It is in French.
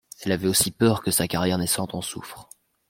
Elle avait aussi peur que sa carrière naissante en souffre.